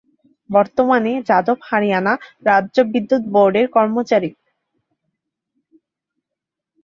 বর্তমানে, যাদব হরিয়ানা রাজ্য বিদ্যুৎ বোর্ডের কর্মচারী।